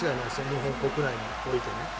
日本国内においてね。